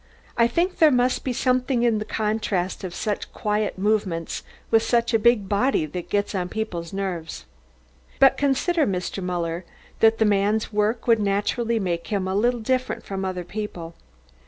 I think there must be something in the contrast of such quiet movements with such a big body that gets on people's nerves. But consider, Mr. Muller, that the man's work would naturally make him a little different from other people.